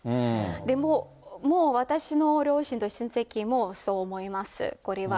でも、もう私の両親と親戚もそう思います、これは。